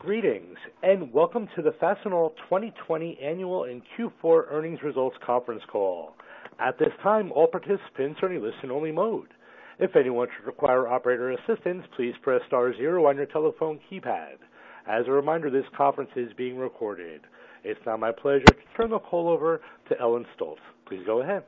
Greetings, and welcome to the Fastenal 2020 annual and Q4 Earnings Results Conference Call. At this time, all participants are in listen-only mode. If anyone should require operator assistance, please press star zero on your telephone keypad. As a reminder, this conference is being recorded. It's now my pleasure to turn the call over to Ellen Stolts. Please go ahead.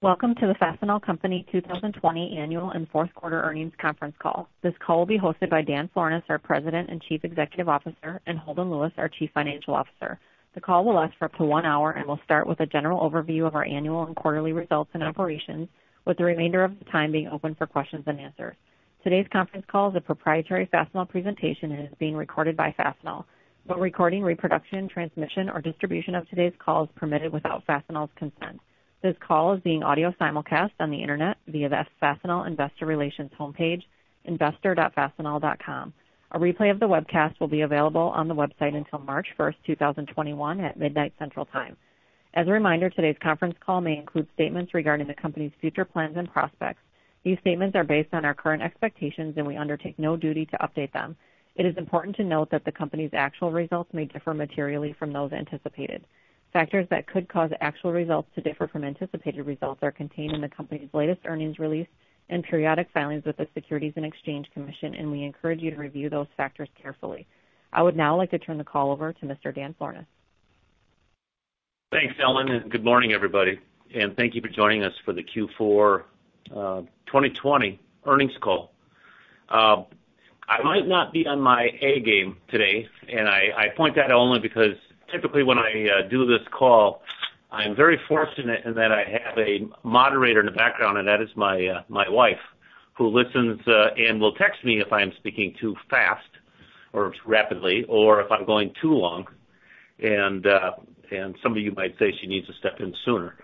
Welcome to the Fastenal Company 2020 Annual and Fourth Quarter Earnings Conference Call. This call will be hosted by Dan Florness, our President and Chief Executive Officer, and Holden Lewis, our Chief Financial Officer. The call will last for up to one hour and will start with a general overview of our annual and quarterly results and operations, with the remainder of the time being open for questions and answers. Today's conference call is a proprietary Fastenal presentation and is being recorded by Fastenal. Recording, reproduction, transmission, or distribution of today's call is permitted without Fastenal's consent. This call is being audio simulcast on the internet via the Fastenal investor relations homepage, investor.fastenal.com. A replay of the webcast will be available on the website until March 1st, 2021, at midnight Central Time. As a reminder, today's conference call may include statements regarding the company's future plans and prospects. These statements are based on our current expectations, and we undertake no duty to update them. It is important to note that the company's actual results may differ materially from those anticipated. Factors that could cause actual results to differ from anticipated results are contained in the company's latest earnings release and periodic filings with the Securities and Exchange Commission, and we encourage you to review those factors carefully. I would now like to turn the call over to Mr. Dan Florness. Thanks, Ellen, and good morning, everybody, and thank you for joining us for the Q4 2020 Earnings Call. I might not be on my A-game today, and I point that out only because typically when I do this call, I'm very fortunate in that I have a moderator in the background, and that is my wife, who listens and will text me if I am speaking too fast or rapidly or if I'm going too long. Some of you might say she needs to step in sooner.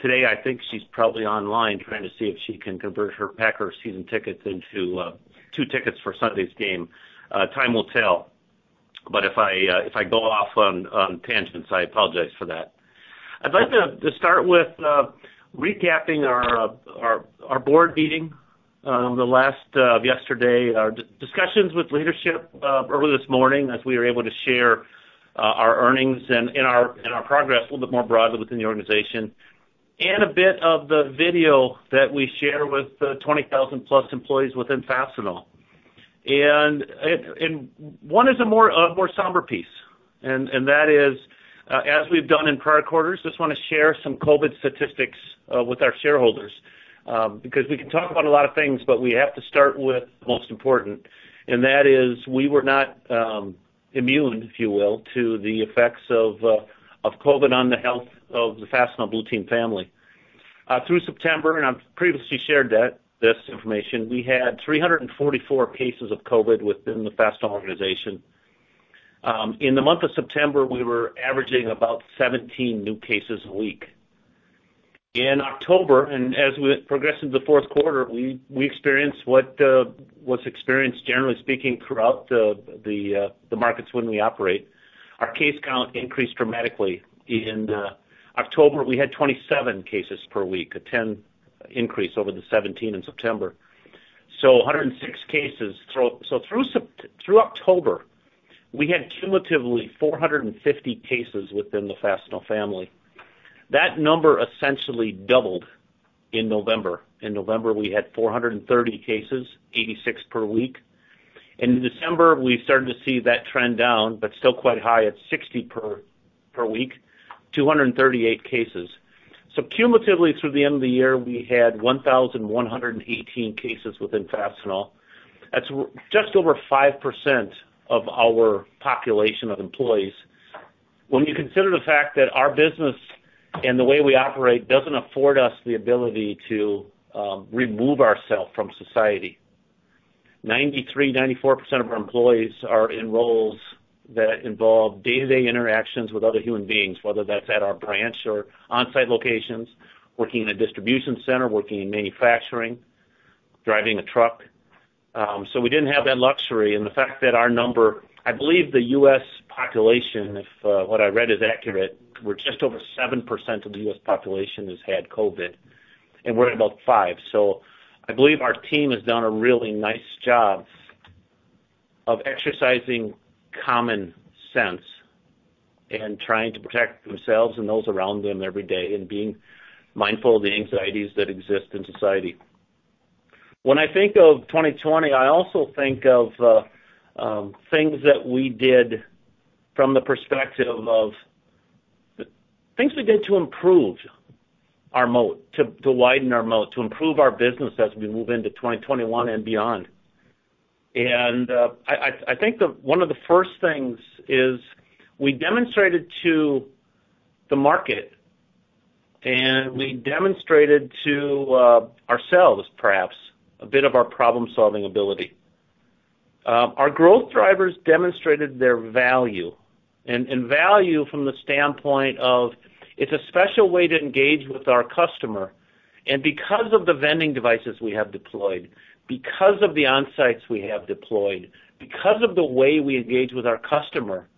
Today, I think she's probably online trying to see if she can convert her Packer season tickets into two tickets for Sunday's game. Time will tell. If I go off on tangents, I apologize for that. I'd like to start with recapping our board meeting of yesterday, our discussions with leadership earlier this morning as we were able to share our earnings and our progress a little bit more broadly within the organization, and a bit of the video that we share with the 20,000-plus employees within Fastenal. One is a more somber piece, and that is, as we've done in prior quarters, just want to share some COVID statistics with our shareholders, because we can talk about a lot of things, but we have to start with the most important, and that is we were not immune, if you will, to the effects of COVID on the health of the Fastenal Blue Team family. Through September, and I've previously shared this information, we had 344 cases of COVID within the Fastenal organization. In the month of September, we were averaging about 17 new cases a week. In October, as we progressed into the fourth quarter, we experienced what was experienced, generally speaking, throughout the markets when we operate. Our case count increased dramatically. In October, we had 27 cases per week, a 10 increase over the 17 in September. 106 cases. Through October, we had cumulatively 450 cases within the Fastenal family. That number essentially doubled in November. In November, we had 430 cases, 86 per week. In December, we started to see that trend down, but still quite high at 60 per week, 238 cases. Cumulatively through the end of the year, we had 1,118 cases within Fastenal. That's just over 5% of our population of employees. When you consider the fact that our business and the way we operate doesn't afford us the ability to remove ourselves from society, 93%, 94% of our employees are in roles that involve day-to-day interactions with other human beings, whether that's at our branch or on-site locations, working in a distribution center, working in manufacturing, driving a truck. We didn't have that luxury, and the fact that our number, I believe the U.S. population, if what I read is accurate, just over 7% of the U.S. population has had COVID, and we're at about 5%. I believe our team has done a really nice job of exercising common sense and trying to protect themselves and those around them every day and being mindful of the anxieties that exist in society. When I think of 2020, I also think of things we did to improve our moat, to widen our moat, to improve our business as we move into 2021 and beyond. I think one of the first things is we demonstrated to the market, and we demonstrated to ourselves, perhaps, a bit of our problem-solving ability. Our growth drivers demonstrated their value, and value from the standpoint of it's a special way to engage with our customer. Because of the vending devices we have deployed, because of the on-sites we have deployed, because of the way we engage with our customer.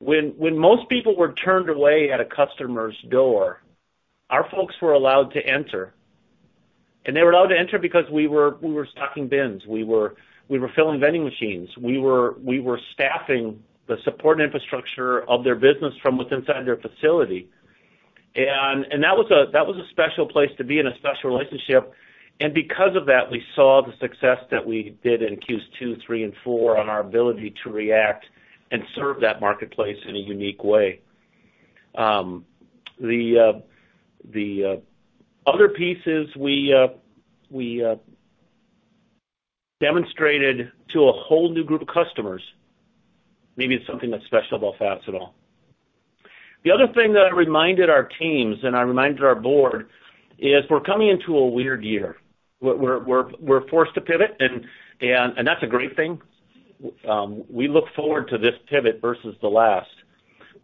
When most people were turned away at a customer's door, our folks were allowed to enter. They were allowed to enter because we were stocking bins. We were filling vending machines. We were staffing the support infrastructure of their business from within their facility. That was a special place to be and a special relationship, and because of that, we saw the success that we did in Qs 2, 3, and 4 on our ability to react and serve that marketplace in a unique way. The other piece is we demonstrated to a whole new group of customers maybe it's something that's special about Fastenal. The other thing that I reminded our teams and I reminded our board is we're coming into a weird year. We're forced to pivot, and that's a great thing. We look forward to this pivot versus the last.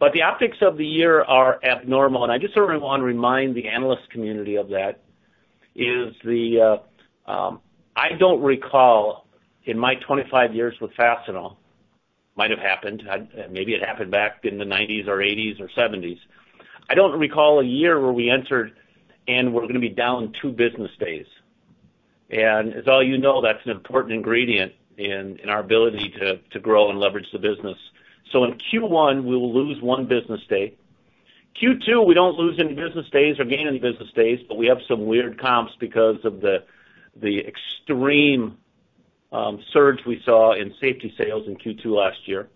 The optics of the year are abnormal, and I just want to remind the analyst community of that, is I don't recall in my 25 years with Fastenal, might've happened, maybe it happened back in the '90s or '80s or '70s. I don't recall a year where we entered and we're going to be down two business days. As all you know, that's an important ingredient in our ability to grow and leverage the business. In Q1, we will lose one business day. Q2, we don't lose any business days or gain any business days, but we have some weird comps because of the extreme surge we saw in safety sales in Q2 last year.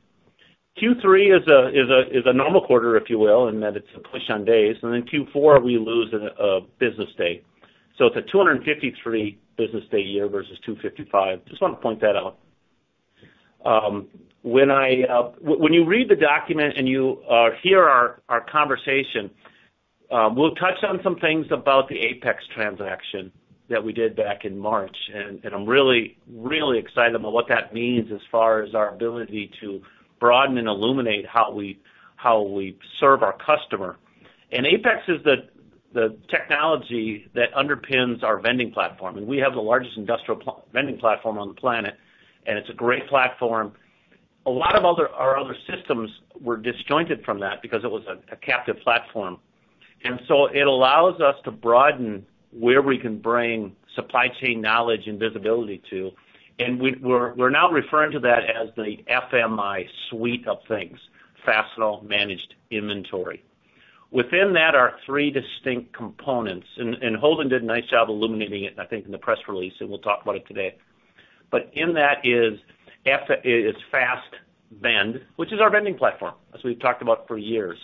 Q3 is a normal quarter, if you will, in that it's a push on days. Q4, we lose a business day. It's a 253 business day year versus 255. Just want to point that out. When you read the document and you hear our conversation, we'll touch on some things about the Apex transaction that we did back in March, and I'm really excited about what that means as far as our ability to broaden and illuminate how we serve our customer. Apex is the technology that underpins our vending platform, and we have the largest industrial vending platform on the planet, and it's a great platform. A lot of our other systems were disjointed from that because it was a captive platform. It allows us to broaden where we can bring supply chain knowledge and visibility to, and we're now referring to that as the FMI suite of things, Fastenal Managed Inventory. Within that are three distinct components, and Holden did a nice job illuminating it, I think, in the press release, and we'll talk about it today. In that is FASTVend, which is our vending platform, as we've talked about for years.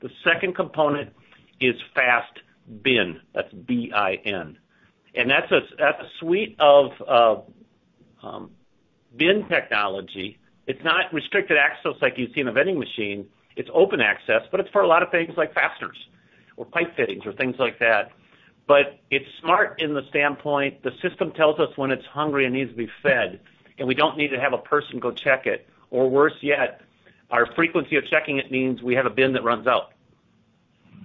The second component is FASTBin. That's B-i-n. That's a suite of bin technology. It's not restricted access like you see in a vending machine. It's open access, but it's for a lot of things like fasteners or pipe fittings or things like that. It's smart in the standpoint, the system tells us when it's hungry and needs to be fed, and we don't need to have a person go check it, or worse yet, our frequency of checking it means we have a bin that runs out.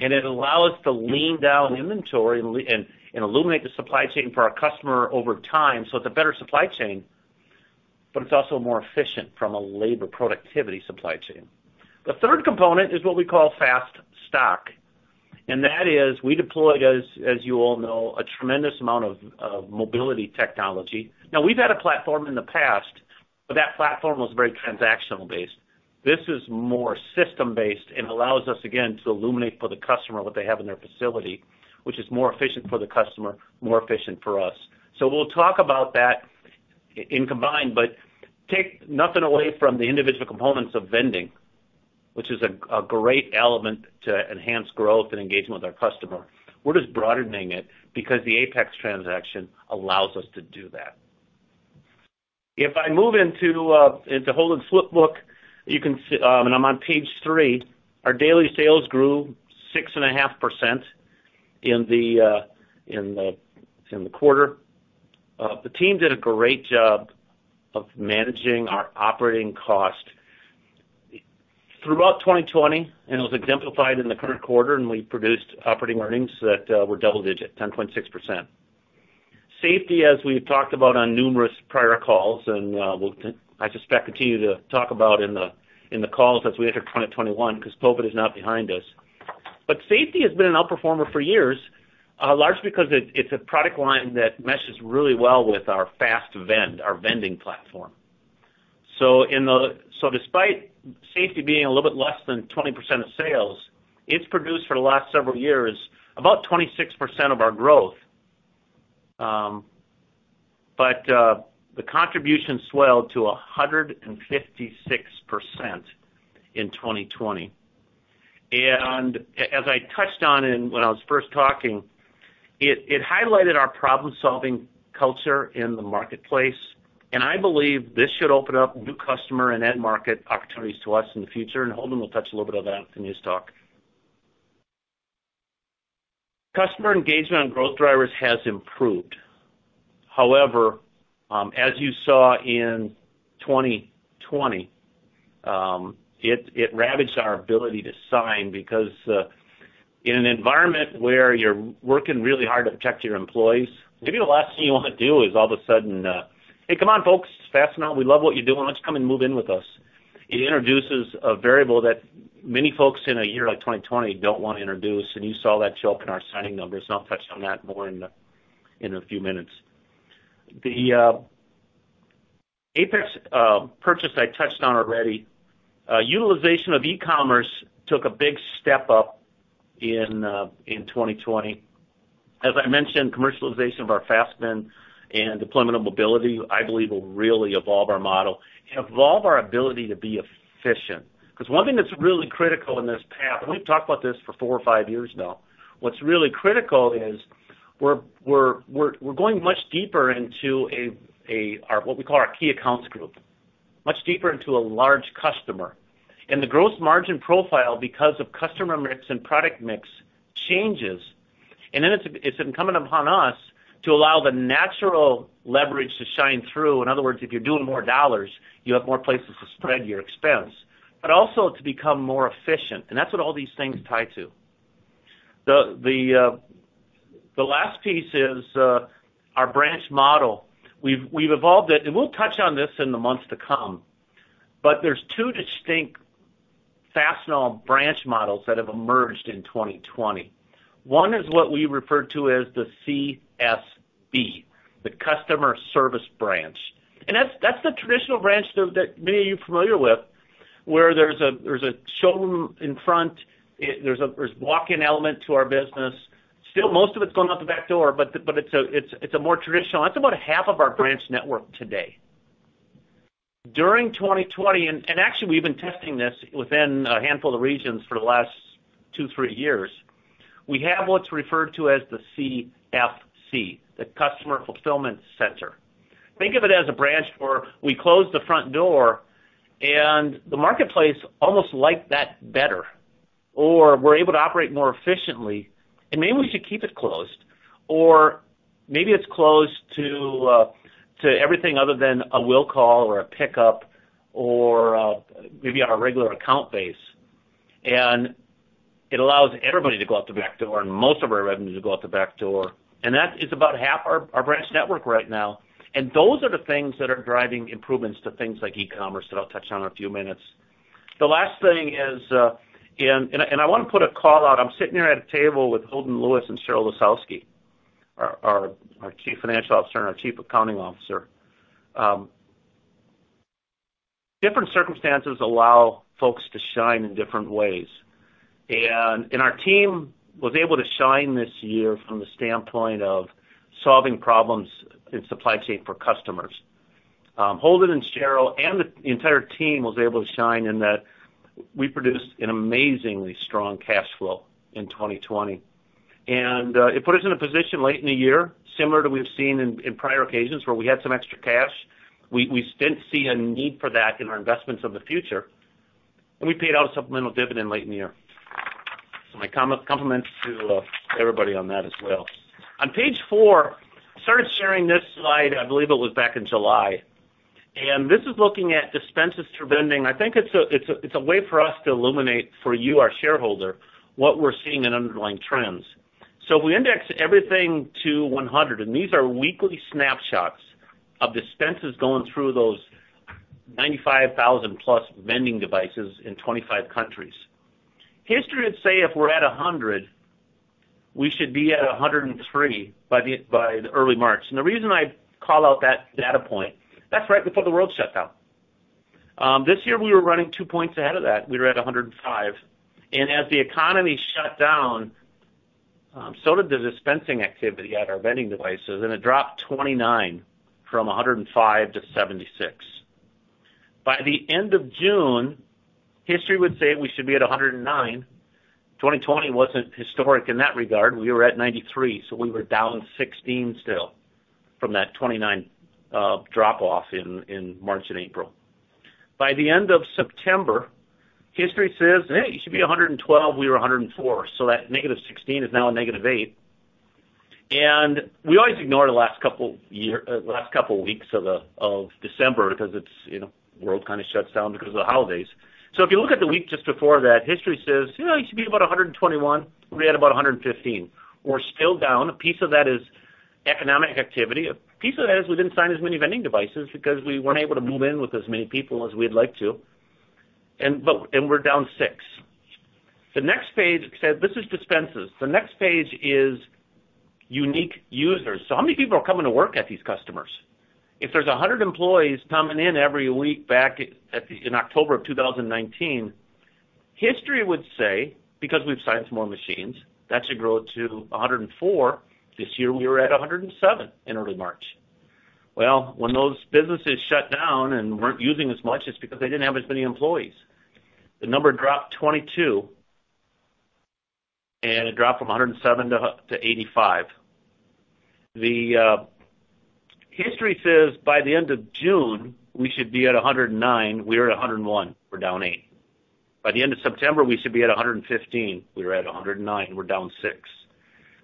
It'll allow us to lean down inventory and eliminate the supply chain for our customer over time. It's a better supply chain, but it's also more efficient from a labor productivity supply chain. The third component is what we call FASTStock, that is, we deployed, as you all know, a tremendous amount of mobility technology. Now, we've had a platform in the past, but that platform was very transactional based. This is more system based and allows us, again, to illuminate for the customer what they have in their facility, which is more efficient for the customer, more efficient for us. We'll talk about that in combined, but take nothing away from the individual components of vending, which is a great element to enhance growth and engagement with our customer. We're just broadening it because the Apex transaction allows us to do that. If I move into Holden's flip book, and I'm on page three, our daily sales grew 6.5% in the quarter. The team did a great job of managing our operating cost throughout 2020, and it was exemplified in the current quarter, and we produced operating earnings that were double digit, 10.6%. Safety, as we've talked about on numerous prior calls, and we'll, I suspect, continue to talk about in the calls as we enter 2021, because COVID is not behind us. Safety has been an outperformer for years, largely because it's a product line that meshes really well with our FastVend, our vending platform. Despite safety being a little bit less than 20% of sales, it's produced for the last several years about 26% of our growth. The contribution swelled to 156% in 2020. As I touched on when I was first talking, it highlighted our problem-solving culture in the marketplace, and I believe this should open up new customer and end market opportunities to us in the future. Holden will touch a little bit of that in his talk. Customer engagement on growth drivers has improved. However, as you saw in 2020, it ravaged our ability to sign because. In an environment where you're working really hard to protect your employees, maybe the last thing you want to do is all of a sudden, "Hey, come on, folks. Fastenal, we love what you're doing. Why don't you come and move in with us?" It introduces a variable that many folks in a year like 2020 don't want to introduce, and you saw that choke in our signing numbers, and I'll touch on that more in a few minutes. The Apex purchase i touched on already. Utilization of e-commerce took a big step up in 2020. As I mentioned, commercialization of our FASTBin and deployment of mobility, i believe, will really evolve our model and evolve our ability to be efficient. Because one thing that's really critical in this path, and we've talked about this for four or five years now. What's really critical is we're going much deeper into what we call our key accounts group. Much deeper into a large customer. The gross margin profile, because of customer mix and product mix, changes. It's incumbent upon us to allow the natural leverage to shine through. In other words, if you're doing more dollars, you have more places to spread your expense. Also to become more efficient, and that's what all these things tie to. The last piece is our branch model. We've evolved it, and we'll touch on this in the months to come, but there's two distinct Fastenal branch models that have emerged in 2020. One is what we refer to as the CSB, the Customer Service Branch. That's the traditional branch that many of you are familiar with, where there's a showroom in front. There's walk-in element to our business. Still, most of it's going out the back door, but it's a more traditional. That's about half of our branch network today. During 2020, and actually, we've been testing this within a handful of regions for the last two, three years. We have what's referred to as the CFC, the Customer Fulfillment Center. Think of it as a branch where we close the front door, and the marketplace almost liked that better. We're able to operate more efficiently, and maybe we should keep it closed. Maybe it's closed to everything other than a will call or a pickup or maybe on a regular account base. It allows everybody to go out the back door and most of our revenue to go out the back door. That is about half our branch network right now. Those are the things that are driving improvements to things like e-commerce that I'll touch on in a few minutes. The last thing is, I want to put a call out. I'm sitting here at a table with Holden Lewis and Sheryl Lisowski, our Chief Financial Officer and our Chief Accounting Officer. Different circumstances allow folks to shine in different ways. Our team was able to shine this year from the standpoint of solving problems in supply chain for customers. Holden and Sheryl and the entire team was able to shine in that we produced an amazingly strong cash flow in 2020. It put us in a position late in the year, similar to what we've seen in prior occasions where we had some extra cash. We still see a need for that in our investments of the future. We paid out a supplemental dividend late in the year. My compliments to everybody on that as well. On page four, I started sharing this slide, I believe it was back in July. This is looking at dispenses through vending. I think it's a way for us to illuminate for you, our shareholder, what we're seeing in underlying trends. We index everything to 100, and these are weekly snapshots of dispenses going through those 95,000+ vending devices in 25 countries. History would say if we're at 100, we should be at 103 by the early March. The reason I call out that data point, that's right before the world shut down. This year, we were running two points ahead of that. We were at 105. As the economy shut down, so did the dispensing activity at our vending devices, and it dropped 29 from 105 to 76. By the end of June, history would say we should be at 109. 2020 wasn't historic in that regard. We were at 93, we were down 16 still from that 29 drop-off in March and April. By the end of September, history says, "Hey, you should be 112." We were 104. That negative 16 is now a -8. We always ignore the last couple of weeks of December because the world kind of shuts down because of the holidays. If you look at the week just before that, history says, "You know, you should be about 121." We had about 115. We're still down. A piece of that is economic activity. A piece of that is we didn't sign as many vending devices because we weren't able to move in with as many people as we'd like to. We're down six. This is dispenses. The next page is unique users. How many people are coming to work at these customers? If there's 100 employees coming in every week back in October of 2019, history would say, because we've signed some more machines, that should grow to 104. This year, we were at 107 in early March. Well, when those businesses shut down and weren't using as much, it's because they didn't have as many employees. The number dropped 22, and it dropped from 107 to 85. History says by the end of June, we should be at 109. We were at 101. We're down eight. By the end of September, we should be at 115. We were at 109. We're down six.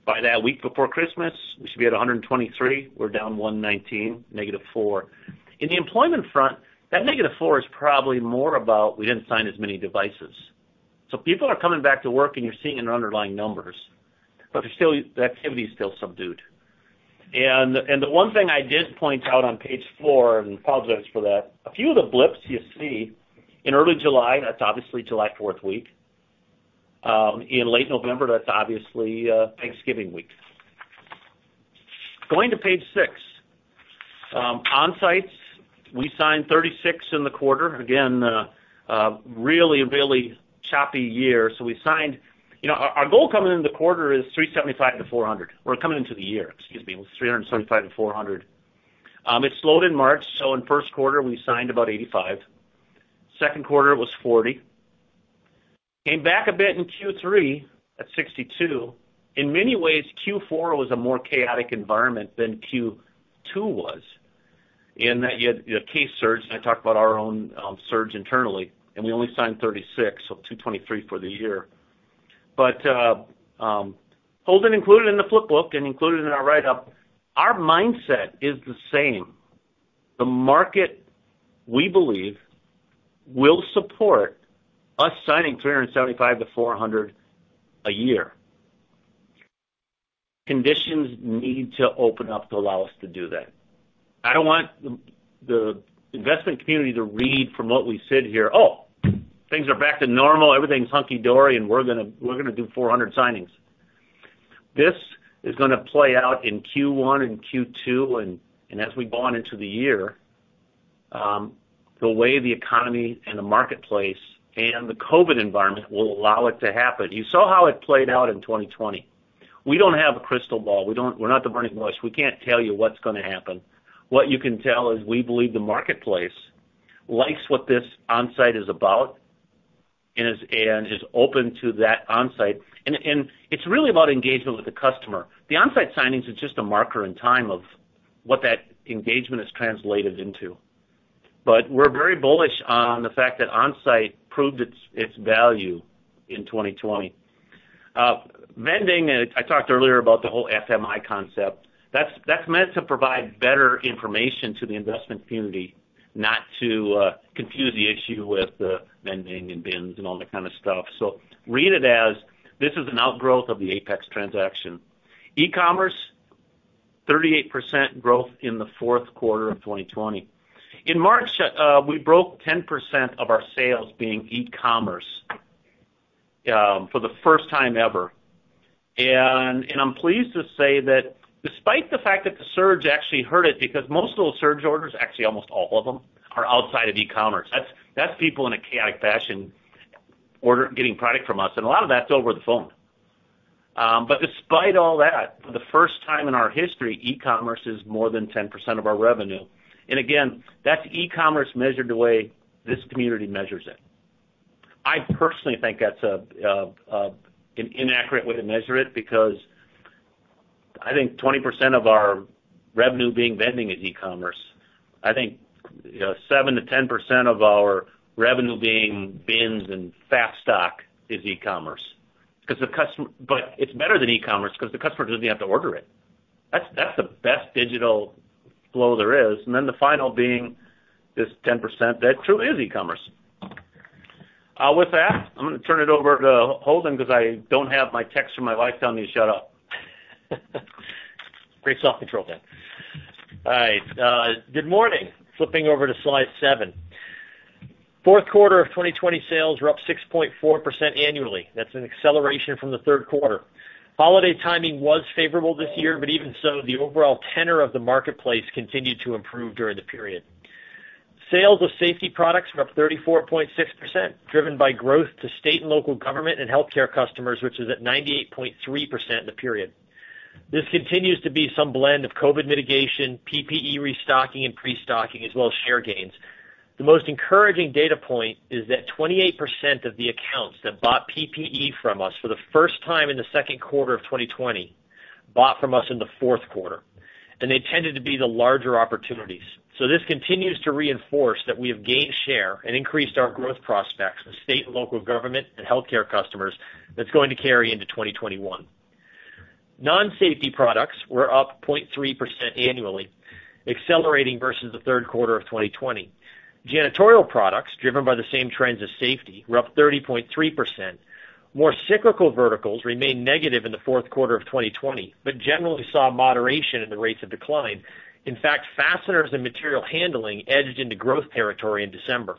By that week before Christmas, we should be at 123. We're down 119, -4. In the employment front, that -4 is probably more about we didn't sign as many devices. People are coming back to work, and you're seeing it in our underlying numbers, but the activity is still subdued. The one thing I did point out on page four, and apologize for that, a few of the blips you see in early July, that's obviously July 4th week. In late November, that's obviously Thanksgiving week. Going to page six. Onsites, we signed 36 in the quarter. Again, a really choppy year. Our goal coming into the quarter is 375 to 400. We're coming into the year, excuse me, with 375 to 400. It slowed in March. In the first quarter, we signed about 85. Second quarter, it was 40. Came back a bit in Q3 at 62. In many ways, Q4 was a more chaotic environment than Q2 was, in that you had a case surge, and I talk about our own surge internally, and we only signed 36, so 223 for the year. Holden included in the flip book and included in our write-up, our mindset is the same. The market, we believe, will support us signing 375 to 400 a year. Conditions need to open up to allow us to do that. I don't want the investment community to read from what we said here, "Oh, things are back to normal. Everything's hunky-dory, and we're going to do 400 signings." This is going to play out in Q1 and Q2, and as we go on into the year. The way the economy and the marketplace and the COVID environment will allow it to happen. You saw how it played out in 2020. We don't have a crystal ball. We're not the Bernie Madoffs. We can't tell you what's going to happen. What you can tell is we believe the marketplace likes what this onsite is about and is open to that onsite. It's really about engagement with the customer. The onsite signings is just a marker in time of what that engagement has translated into. We're very bullish on the fact that onsite proved its value in 2020. Vending, I talked earlier about the whole FMI concept. That's meant to provide better information to the investment community, not to confuse the issue with vending and bins and all that kind of stuff. Read it as this is an outgrowth of the Apex transaction. e-commerce, 38% growth in the fourth quarter of 2020. In March, we broke 10% of our sales being e-commerce for the first time ever. I'm pleased to say that despite the fact that the surge actually hurt it, because most of those surge orders, actually almost all of them, are outside of e-commerce. That's people in a chaotic fashion getting product from us, and a lot of that's over the phone. Despite all that, for the first time in our history, e-commerce is more than 10% of our revenue. Again, that's e-commerce measured the way this community measures it. I personally think that's an inaccurate way to measure it because I think 20% of our revenue being vending is e-commerce. I think 7%-10% of our revenue being bins and FASTStock is e-commerce. It's better than e-commerce because the customer doesn't even have to order it. That's the best digital flow there is. The final being this 10% that truly is e-commerce. With that, I'm going to turn it over to Holden because I don't have my text from my wife telling me to shut up. Great self-control there. All right. Good morning. Flipping over to slide seven. Fourth quarter of 2020 sales were up 6.4% annually. That's an acceleration from the third quarter. Holiday timing was favorable this year, even so, the overall tenor of the marketplace continued to improve during the period. Sales of safety products were up 34.6%, driven by growth to state and local government and healthcare customers, which is at 98.3% in the period. This continues to be some blend of COVID mitigation, PPE restocking, and pre-stocking, as well as share gains. The most encouraging data point is that 28% of the accounts that bought PPE from us for the first time in the second quarter of 2020 bought from us in the fourth quarter, and they tended to be the larger opportunities. This continues to reinforce that we have gained share and increased our growth prospects with state and local government and healthcare customers that's going to carry into 2021. Non-safety products were up 0.3% annually, accelerating versus the third quarter of 2020. Janitorial products, driven by the same trends as safety, were up 30.3%. More cyclical verticals remained negative in the fourth quarter of 2020, but generally saw a moderation in the rates of decline. In fact, fasteners and material handling edged into growth territory in December.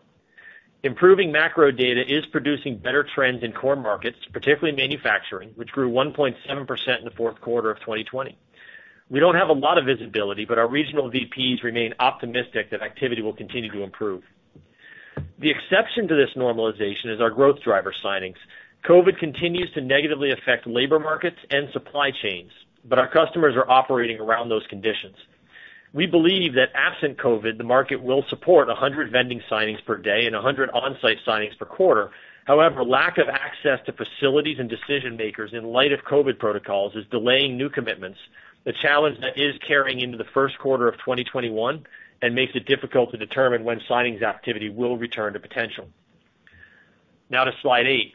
Improving macro data is producing better trends in core markets, particularly manufacturing, which grew 1.7% in the fourth quarter of 2020. We don't have a lot of visibility, but our regional VPs remain optimistic that activity will continue to improve. The exception to this normalization is our growth driver signings. COVID continues to negatively affect labor markets and supply chains, but our customers are operating around those conditions. We believe that absent COVID, the market will support 100 vending signings per day and 100 onsite signings per quarter. However, lack of access to facilities and decision-makers in light of COVID protocols is delaying new commitments, a challenge that is carrying into the first quarter of 2021 and makes it difficult to determine when signings activity will return to potential. Now to slide eight.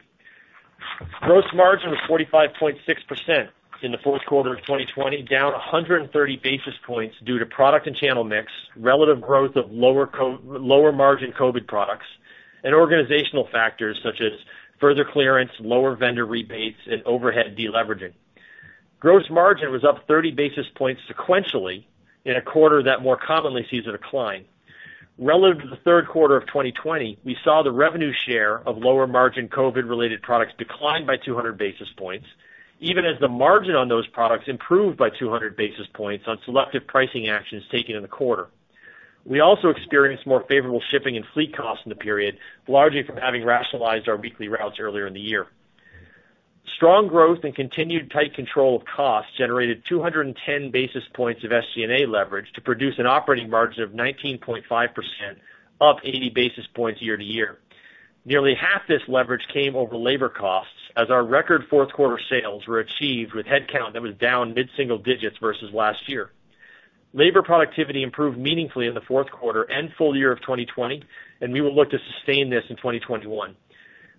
Gross margin was 45.6% in the fourth quarter of 2020, down 130 basis points due to product and channel mix, relative growth of lower-margin COVID products, and organizational factors such as further clearance, lower vendor rebates, and overhead de-leveraging. Gross margin was up 30 basis points sequentially in a quarter that more commonly sees a decline. Relative to the third quarter of 2020, we saw the revenue share of lower-margin COVID-related products decline by 200 basis points, even as the margin on those products improved by 200 basis points on selective pricing actions taken in the quarter. We also experienced more favorable shipping and fleet costs in the period, largely from having rationalized our weekly routes earlier in the year. Strong growth and continued tight control of costs generated 210 basis points of SG&A leverage to produce an an operating margin of 19.5%, up 80 basis points year to year. Nearly half this leverage came over labor costs as our record fourth quarter sales were achieved with headcount that was down mid-single digits versus last year. Labor productivity improved meaningfully in the fourth quarter and full year of 2020, and we will look to sustain this in 2021.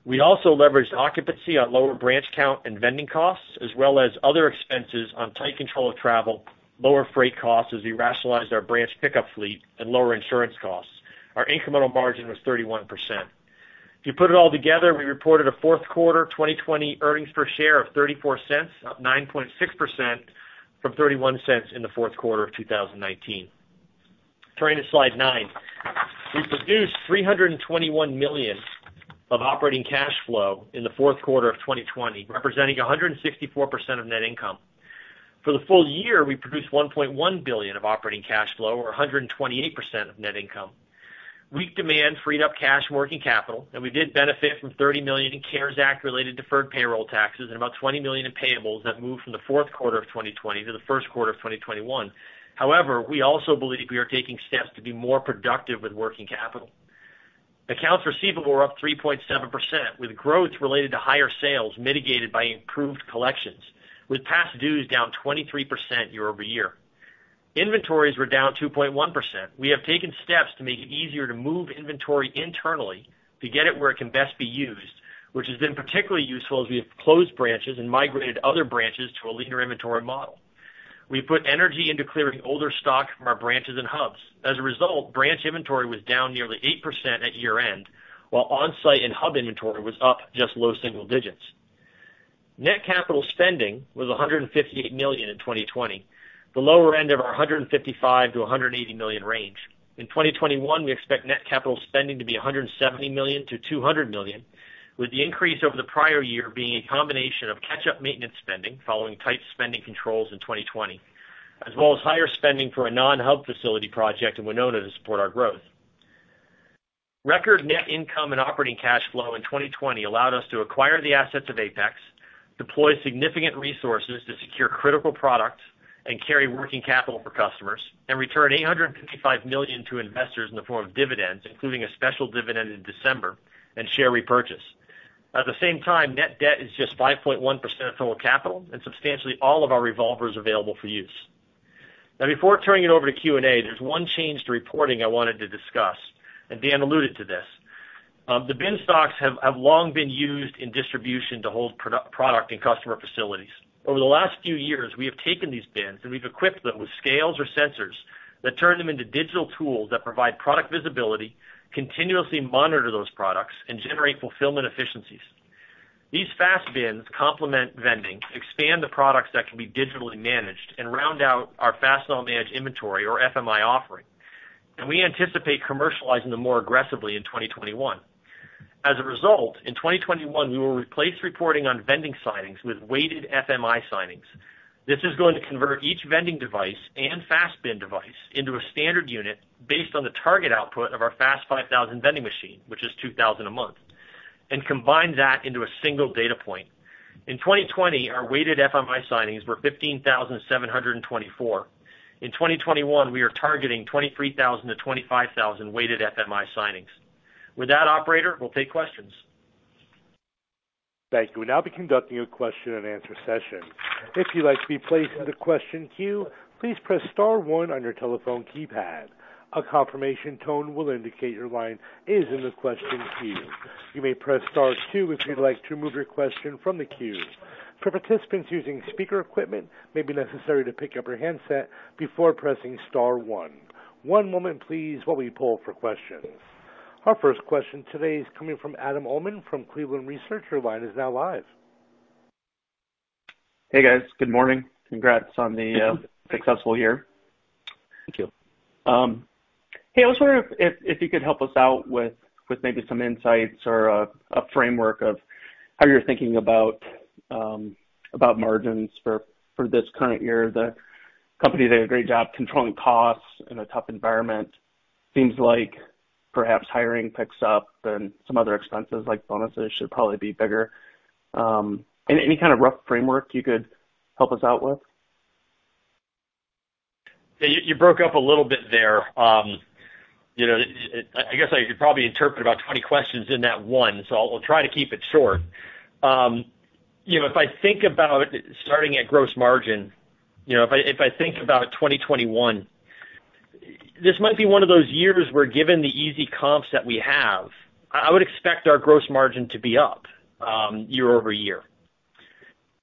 We also leveraged occupancy on lower branch count and vending costs, as well as other expenses on tight control of travel, lower freight costs as we rationalized our branch pickup fleet, and lower insurance costs. Our incremental margin was 31%. If you put it all together, we reported a fourth quarter 2020 earnings per share of $0.34, up 9.6% from $0.31 in the fourth quarter of 2019. Turning to slide nine. We produced $321 million of operating cash flow in the fourth quarter of 2020, representing 164% of net income. For the full year, we produced $1.1 billion of operating cash flow or 128% of net income. Weak demand freed up cash working capital, and we did benefit from $30 million in CARES Act related deferred payroll taxes and about $20 million in payables that moved from the fourth quarter of 2020 to the first quarter of 2021. However, we also believe we are taking steps to be more productive with working capital. Accounts receivable were up 3.7%, with growth related to higher sales mitigated by improved collections, with past dues down 23% year-over-year. Inventories were down 2.1%. We have taken steps to make it easier to move inventory internally to get it where it can best be used, which has been particularly useful as we have closed branches and migrated other branches to a leaner inventory model. We put energy into clearing older stock from our branches and hubs. As a result, branch inventory was down nearly 8% at year-end, while on-site and hub inventory was up just low single digits. Net capital spending was $158 million in 2020, the lower end of our $155 million-$180 million range. In 2021, we expect net capital spending to be $170 million-$200 million, with the increase over the prior year being a combination of catch-up maintenance spending following tight spending controls in 2020, as well as higher spending for a non-hub facility project in Winona to support our growth. Record net income and operating cash flow in 2020 allowed us to acquire the assets of Apex, deploy significant resources to secure critical products, and carry working capital for customers, and return $855 million to investors in the form of dividends, including a special dividend in December, and share repurchase. At the same time, net debt is just 5.1% of total capital and substantially all of our revolvers available for use. Before turning it over to Q&A, there's one change to reporting I wanted to discuss, and Dan alluded to this. The bin stocks have long been used in distribution to hold product in customer facilities. Over the last few years, we have taken these bins and we've equipped them with scales or sensors that turn them into digital tools that provide product visibility, continuously monitor those products, and generate fulfillment efficiencies. These FASTBins complement vending, expand the products that can be digitally managed, and round out our Fastenal Managed Inventory or FMI offering. We anticipate commercializing them more aggressively in 2021. As a result, in 2021, we will replace reporting on vending signings with weighted FMI signings. This is going to convert each vending device and FASTBin device into a standard unit based on the target output of our FAST 5000 vending machine, which is 2,000 a month, and combine that into a single data point. In 2020, our weighted FMI signings were 15,724. In 2021, we are targeting 23,000 to 25,000 weighted FMI signings. With that, operator, we'll take questions. Thank you. We'll now be conducting a question and answer session. Our first question today is coming from Adam Uhlman from Cleveland Research. Your line is now live. Hey, guys. Good morning. Congrats on the successful year. Thank you. Hey, I was wondering if you could help us out with maybe some insights or a framework of how you're thinking about margins for this current year. The company did a great job controlling costs in a tough environment. Seems like perhaps hiring picks up and some other expenses like bonuses should probably be bigger. Any kind of rough framework you could help us out with? You broke up a little bit there. I guess I could probably interpret about 20 questions in that one, so I'll try to keep it short. If I think about starting at gross margin, if I think about 2021. This might be one of those years where, given the easy comps that we have, I would expect our gross margin to be up year-over-year.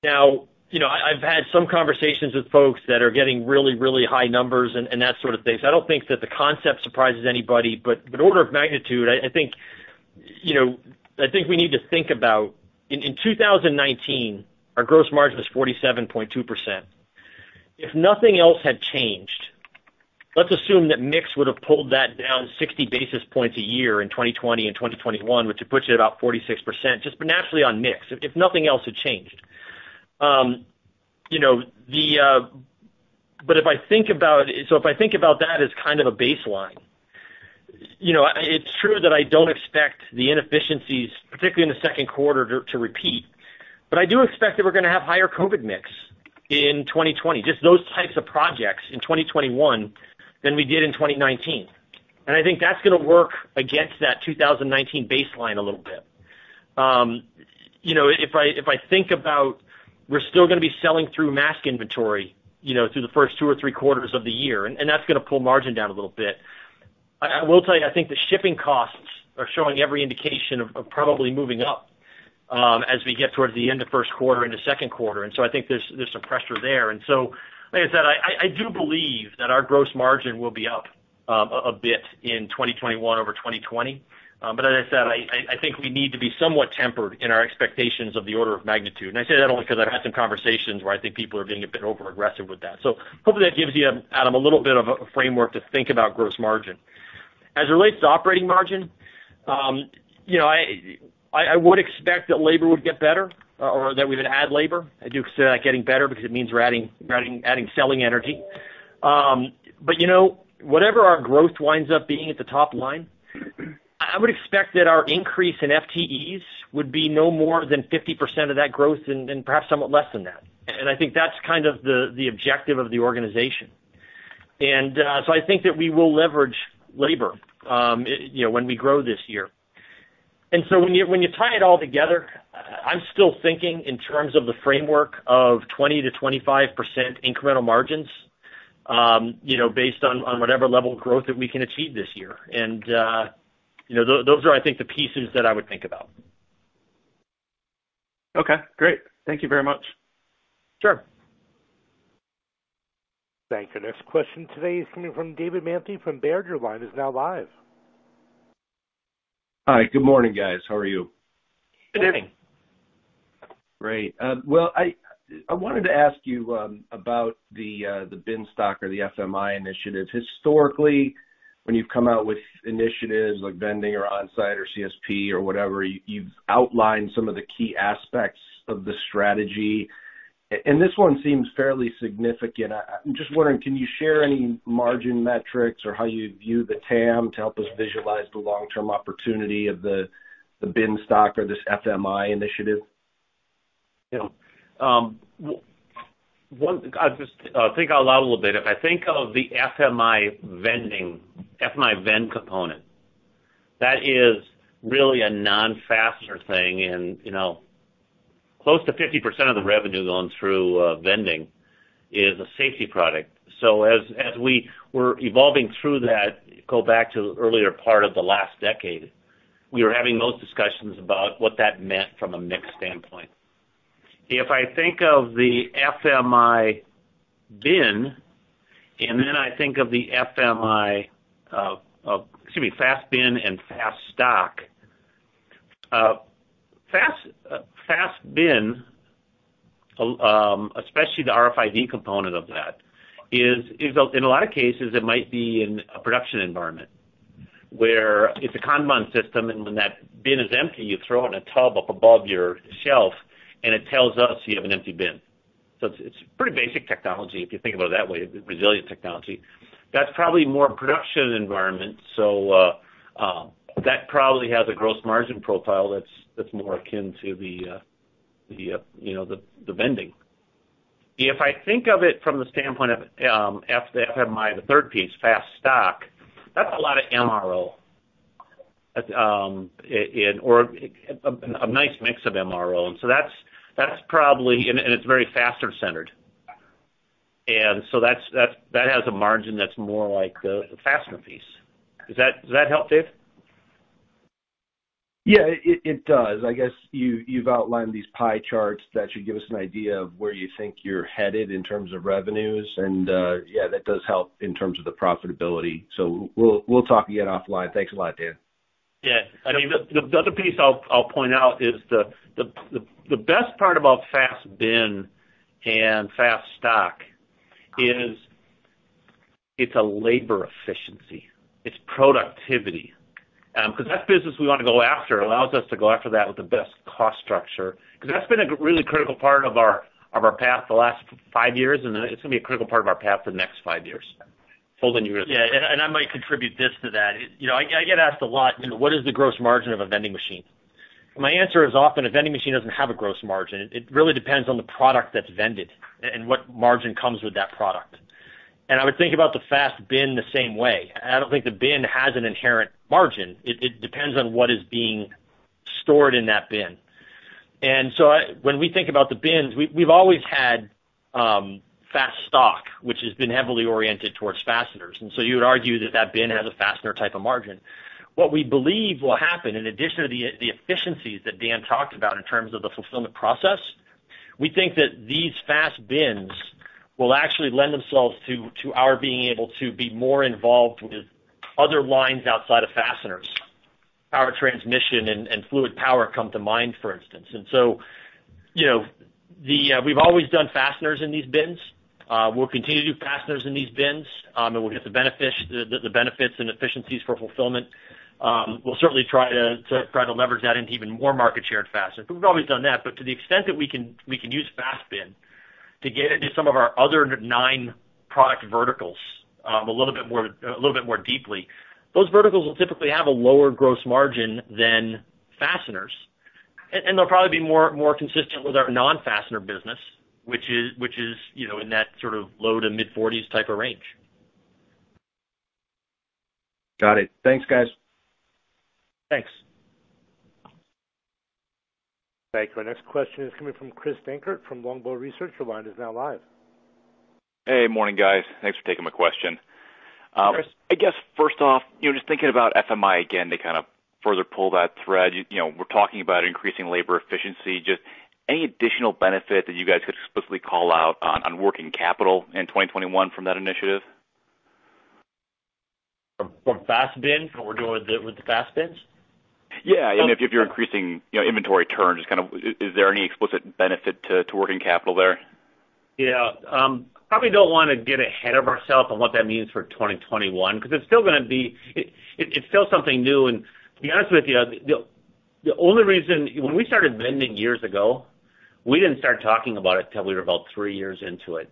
I've had some conversations with folks that are getting really high numbers and that sort of thing. I don't think that the concept surprises anybody. Order of magnitude, I think we need to think about, in 2019, our gross margin was 47.2%. If nothing else had changed, let's assume that mix would've pulled that down 60 basis points a year in 2020 and 2021, which would put you at about 46%, just naturally on mix, if nothing else had changed. If I think about that as kind of a baseline, it's true that I don't expect the inefficiencies, particularly in the second quarter, to repeat. I do expect that we're going to have higher COVID mix in 2020, just those types of projects in 2021, than we did in 2019. I think that's going to work against that 2019 baseline a little bit. If I think about, we're still going to be selling through mask inventory through the first two or three quarters of the year, and that's going to pull margin down a little bit. I will tell you, I think the shipping costs are showing every indication of probably moving up as we get towards the end of first quarter into second quarter. I think there's some pressure there. Like I said, I do believe that our gross margin will be up a bit in 2021 over 2020. As I said, I think we need to be somewhat tempered in our expectations of the order of magnitude. I say that only because I've had some conversations where I think people are being a bit over-aggressive with that. Hopefully that gives you, Adam, a little bit of a framework to think about gross margin. As it relates to operating margin, I would expect that labor would get better or that we would add labor. I do consider that getting better because it means we're adding selling energy. Whatever our growth winds up being at the top line, I would expect that our increase in FTEs would be no more than 50% of that growth and perhaps somewhat less than that. I think that's kind of the objective of the organization. I think that we will leverage labor when we grow this year. When you tie it all together, I'm still thinking in terms of the framework of 20%-25% incremental margins based on whatever level of growth that we can achieve this year. Those are, I think, the pieces that I would think about. Okay, great. Thank you very much. Sure. Thank you. Next question today is coming from David Manthey from Baird. Your line is now live. Hi. Good morning, guys. How are you? Good morning. Great. Well, I wanted to ask you about the Bin Stock or the FMI initiative. Historically, when you've come out with initiatives like vending or onsite or CSP or whatever, you've outlined some of the key aspects of the strategy. This one seems fairly significant. I'm just wondering, can you share any margin metrics or how you view the TAM to help us visualize the long-term opportunity of the Bin Stock or this FMI initiative? I'll think out loud a little bit. If I think of the FMI vending, FMI vend component, that is really a non-fastener thing in close to 50% of the revenue going through vending is a safety product. As we were evolving through that, go back to the earlier part of the last decade, we were having those discussions about what that meant from a mix standpoint. If I think of the FMI bin, and then I think of the FMI, excuse me, FASTBin and FASTStock. FASTBin, especially the RFID component of that, is in a lot of cases, it might be in a production environment where it's a Kanban system, and when that bin is empty, you throw it in a tub up above your shelf, and it tells us you have an empty bin. It's pretty basic technology, if you think about it that way. Resilient technology. That's probably more a production environment. That probably has a gross margin profile that's more akin to the vending. If I think of it from the standpoint of the FMI, the third piece, FASTStock, that's a lot of MRO, or a nice mix of MRO. It's very fastener centered. That has a margin that's more like the fastener piece. Does that help, Dave? Yeah, it does. I guess you've outlined these pie charts that should give us an idea of where you think you're headed in terms of revenues. Yeah, that does help in terms of the profitability. We'll talk again offline. Thanks a lot, Dan. Yeah. The other piece I'll point out is the best part about FASTBin and FASTStock is it's a labor efficiency. It's productivity. That's business we want to go after. It allows us to go after that with the best cost structure. That's been a really critical part of our path the last five years, and it's going to be a critical part of our path for the next five years. I might contribute this to that. I get asked a lot, "What is the gross margin of a vending machine?" My answer is often, a vending machine doesn't have a gross margin. It really depends on the product that's vended and what margin comes with that product. I would think about the FASTBin the same way. I don't think the bin has an inherent margin. It depends on what is being stored in that bin. When we think about the bins, we've always had FASTStock, which has been heavily oriented towards fasteners. You would argue that that bin has a fastener type of margin. What we believe will happen, in addition to the efficiencies that Dan talked about in terms of the fulfillment process, we think that these FASTBins will actually lend themselves to our being able to be more involved with other lines outside of fasteners. Power transmission and fluid power come to mind, for instance. We've always done fasteners in these bins. We'll continue to do fasteners in these bins, and we'll get the benefits and efficiencies for fulfillment. We'll certainly try to leverage that into even more market share in fasteners. We've always done that. To the extent that we can use FASTBin to get into some of our other nine product verticals, a little bit more deeply, those verticals will typically have a lower gross margin than fasteners. They'll probably be more consistent with our non-fastener business, which is in that sort of low to mid-40s type of range. Got it. Thanks, guys. Thanks. Thank you. Our next question is coming from Chris Dankert from Longbow Research. Your line is now live. Hey, morning guys. Thanks for taking my question. Chris. I guess first off, just thinking about FMI again to kind of further pull that thread. We're talking about increasing labor efficiency. Just any additional benefit that you guys could explicitly call out on working capital in 2021 from that initiative? From FASTBin, from what we're doing with the FASTBins? Yeah. I mean, if you're increasing inventory turns, just kind of, is there any explicit benefit to working capital there? Yeah. Probably don't want to get ahead of ourselves on what that means for 2021, because it's still something new. To be honest with you, when we started vending years ago, we didn't start talking about it till we were about three years into it.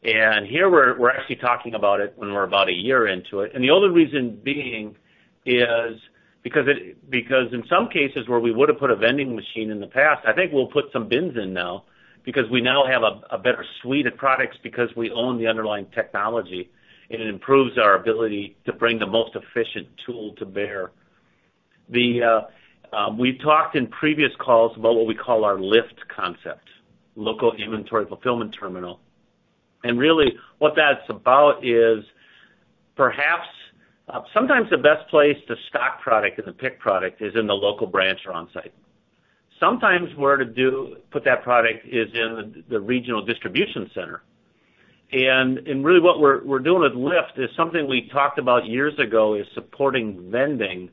Here, we're actually talking about it when we're about a year into it. The only reason being is because in some cases where we would've put a vending machine in the past, I think we'll put some bins in now because we now have a better suite of products because we own the underlying technology, and it improves our ability to bring the most efficient tool to bear. We've talked in previous calls about what we call our LIFT concept, local inventory fulfillment terminal. Really what that's about is perhaps, sometimes the best place to stock product and to pick product is in the local branch or onsite. Sometimes where to put that product is in the regional distribution center. Really what we're doing with LIFT is something we talked about years ago, is supporting vending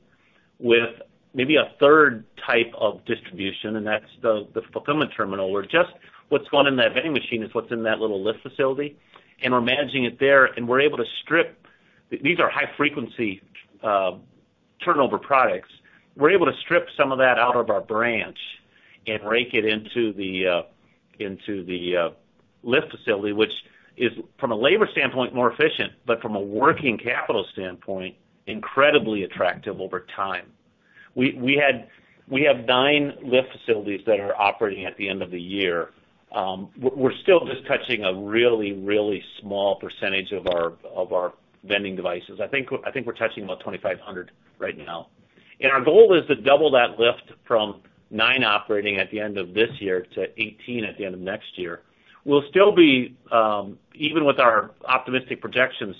with maybe a third type of distribution, and that's the fulfillment terminal, where just what's going in that vending machine is what's in that little LIFT facility. We're managing it there, and we're able to strip, these are high frequency turnover products. We're able to strip some of that out of our branch and rake it into the LIFT facility, which is, from a labor standpoint, more efficient, but from a working capital standpoint, incredibly attractive over time. We have nine LIFT facilities that are operating at the end of the year. We're still just touching a really small percentage of our vending devices. I think we're touching about 2,500 right now. Our goal is to double that LIFT from nine operating at the end of this year to 18 at the end of next year. We'll still be, even with our optimistic projections,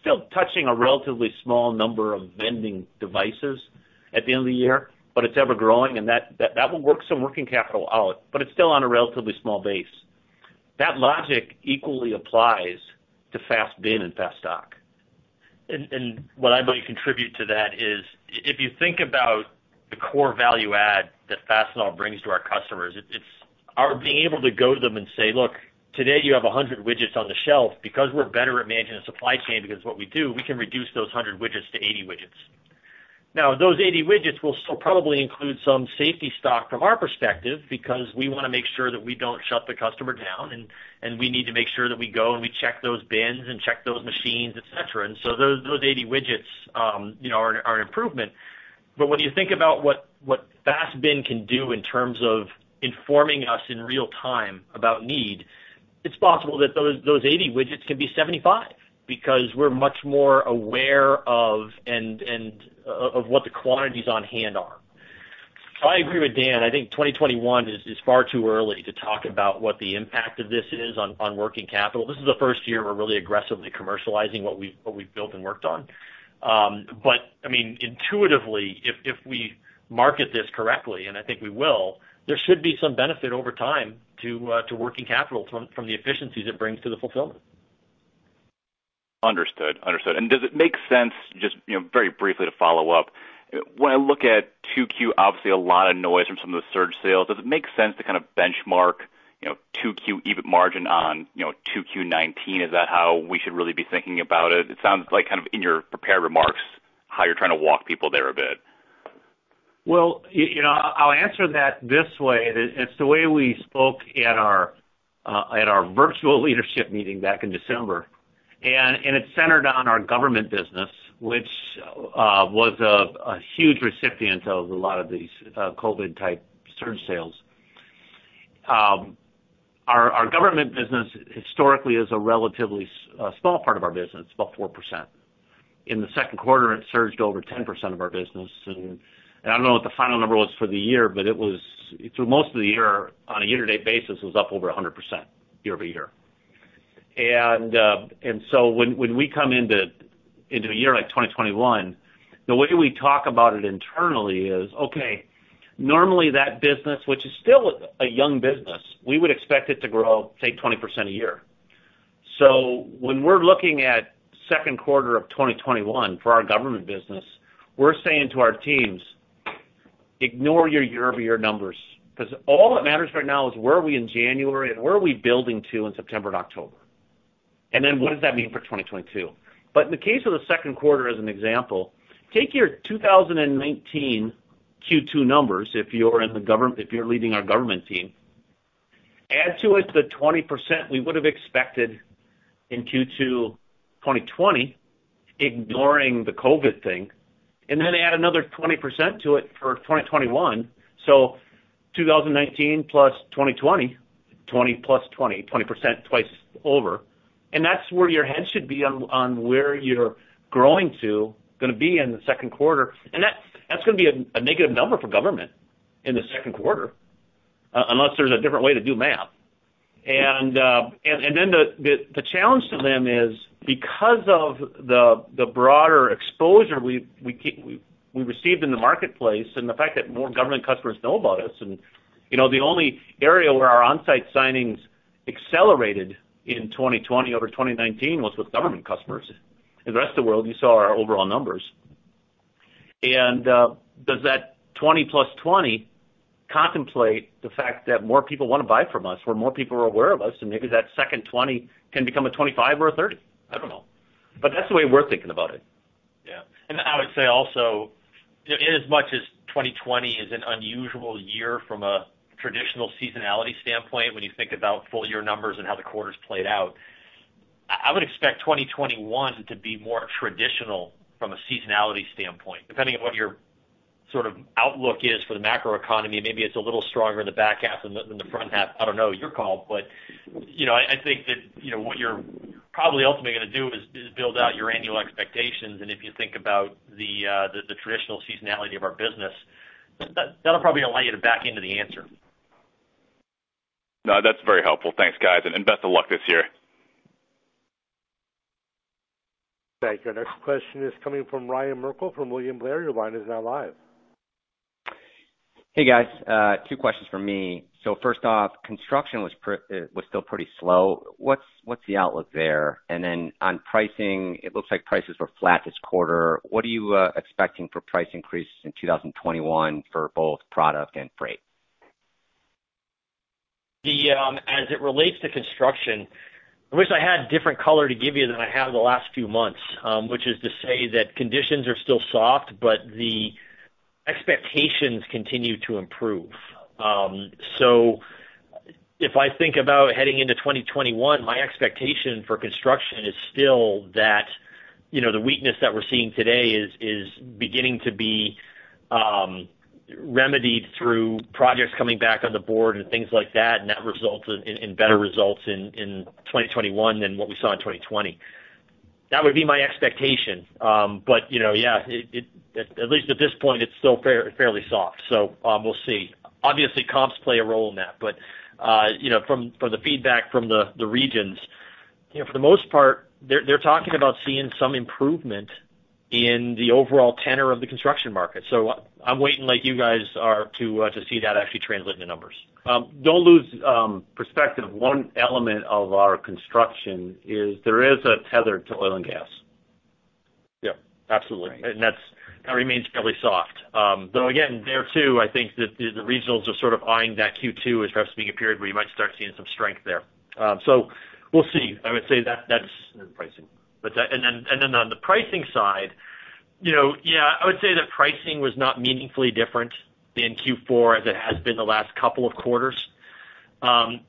still touching a relatively small number of vending devices at the end of the year, but it's ever-growing, and that will work some working capital out, but it's still on a relatively small base. That logic equally applies to FASTBin and FASTStock. What I might contribute to that is, if you think about the core value add that Fastenal brings to our customers, it's our being able to go to them and say, "Look, today you have 100 widgets on the shelf. We're better at managing the supply chain, because it's what we do, we can reduce those 100 widgets to 80 widgets. Those 80 widgets will still probably include some safety stock from our perspective because we want to make sure that we don't shut the customer down, and we need to make sure that we go and we check those bins and check those machines, et cetera. Those 80 widgets are an improvement. When you think about what FASTBin can do in terms of informing us in real time about need, it's possible that those 80 widgets can be 75 because we're much more aware of what the quantities on hand are. I agree with Dan. I think 2021 is far too early to talk about what the impact of this is on working capital. This is the first year we're really aggressively commercializing what we've built and worked on. I mean, intuitively, if we market this correctly, and I think we will, there should be some benefit over time to working capital from the efficiencies it brings to the fulfillment. Understood. Does it make sense just, very briefly to follow up, when I look at 2Q, obviously a lot of noise from some of the surge sales, does it make sense to kind of benchmark 2Q EBIT margin on 2Q19? Is that how we should really be thinking about it? It sounds like kind of in your prepared remarks, how you're trying to walk people there a bit. Well, I'll answer that this way. It's the way we spoke at our virtual leadership meeting back in December, and it's centered on our government business, which was a huge recipient of a lot of these COVID type surge sales. Our government business historically is a relatively small part of our business, about 4%. In the second quarter, it surged over 10% of our business. I don't know what the final number was for the year, but through most of the year, on a year-to-date basis, it was up over 100% year-over-year. When we come into a year like 2021, the way we talk about it internally is, okay, normally that business, which is still a young business, we would expect it to grow, say, 20% a year. When we're looking at the second quarter of 2021 for our government business, we're saying to our teams, "Ignore your year-over-year numbers," because all that matters right now is where are we in January and where are we building to in September and October? What does that mean for 2022? In the case of the second quarter, as an example, take your 2019 Q2 numbers, if you're leading our government team. Add to it the 20% we would've expected in Q2 2020, ignoring the COVID thing, and then add another 20% to it for 2021. 2019 plus 2020. 20 plus 20% twice over. That's where your head should be on where you're growing to, going to be in the second quarter. That's going to be a negative number for government in the second quarter, unless there's a different way to do math. The challenge to them is because of the broader exposure we received in the marketplace and the fact that more government customers know about us, and the only area where our on-site signings accelerated in 2020 over 2019 was with government customers. In the rest of the world, you saw our overall numbers. Does that 20 + 20 contemplate the fact that more people want to buy from us, where more people are aware of us, and maybe that second 20 can become a 25 or a 30? I don't know. That's the way we're thinking about it. Yeah. I would say also, inasmuch as 2020 is an unusual year from a traditional seasonality standpoint, when you think about full-year numbers and how the quarters played out, I would expect 2021 to be more traditional from a seasonality standpoint. Depending on what your outlook is for the macroeconomy, maybe it's a little stronger in the back half than the front half. I don't know. Your call. I think that what you're probably ultimately going to do is build out your annual expectations, and if you think about the traditional seasonality of our business, that'll probably allow you to back into the answer. No, that's very helpful. Thanks, guys, and best of luck this year. Thank you. Our next question is coming from Ryan Merkel from William Blair. Your line is now live. Hey, guys. Two questions from me. First off, construction was still pretty slow. What's the outlook there? On pricing, it looks like prices were flat this quarter. What are you expecting for price increases in 2021 for both product and freight? As it relates to construction, I wish I had a different color to give you than I have the last few months, which is to say that conditions are still soft, the expectations continue to improve. If I think about heading into 2021, my expectation for construction is still that the weakness that we're seeing today is beginning to be remedied through projects coming back on the board and things like that, and that resulting in better results in 2021 than what we saw in 2020. That would be my expectation. Yeah, at least at this point, it's still fairly soft. We'll see. Obviously, comps play a role in that. From the feedback from the regions, for the most part, they're talking about seeing some improvement in the overall tenor of the construction market. I'm waiting like you guys are to see that actually translate into numbers. Don't lose perspective. One element of our construction is there is a tether to oil and gas. Yeah. Absolutely. Right. That remains fairly soft. Again, there too, I think that the regionals are sort of eyeing that Q2 as perhaps being a period where you might start seeing some strength there. We'll see. pricing. On the pricing side, I would say that pricing was not meaningfully different in Q4 as it has been the last couple of quarters. I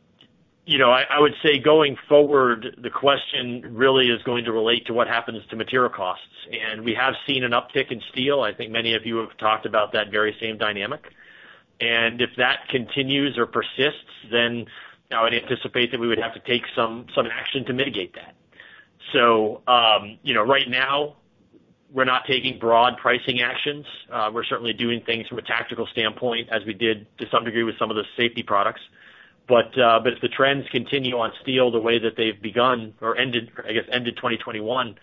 would say going forward, the question really is going to relate to what happens to material costs. We have seen an uptick in steel. I think many of you have talked about that very same dynamic. If that continues or persists, I would anticipate that we would have to take some action to mitigate that. Right now, we're not taking broad pricing actions. We're certainly doing things from a tactical standpoint, as we did, to some degree, with some of the safety products. If the trends continue on steel the way that they've begun or I guess ended 2021,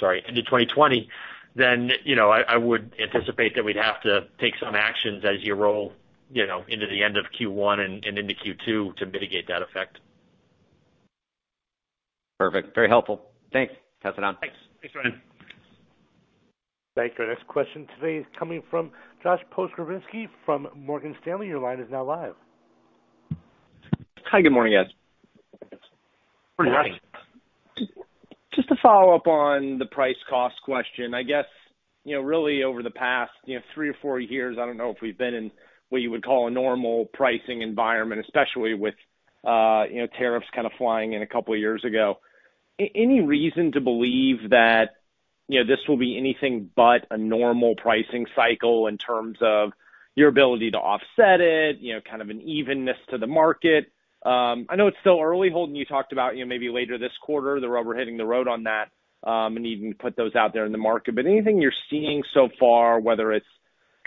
sorry, ended 2020, then I would anticipate that we'd have to take some actions as you roll into the end of Q1 and into Q2 to mitigate that effect. Perfect. Very helpful. Thanks. Passing on. Thanks. Thanks, Ryan. Thank you. Our next question today is coming from Josh Pokrzywinski from Morgan Stanley. Your line is now live. Hi. Good morning, guys. Morning. Just to follow up on the price cost question. I guess really over the past three or four years, I don't know if we've been in what you would call a normal pricing environment, especially with tariffs kind of flying in a couple of years ago. Any reason to believe that this will be anything but a normal pricing cycle in terms of your ability to offset it, kind of an evenness to the market. I know it's still early, Holden, you talked about maybe later this quarter, the rubber hitting the road on that, and even put those out there in the market. But anything you're seeing so far, whether it's